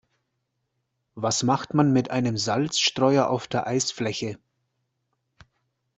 Was macht man mit einem Salzstreuer auf der Eisfläche?